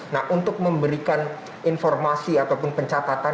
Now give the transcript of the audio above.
nah untuk memberikan informasi ataupun pencatatan yang cepat